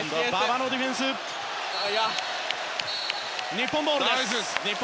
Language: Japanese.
日本ボールです。